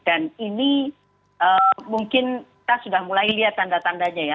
ini mungkin kita sudah mulai lihat tanda tandanya ya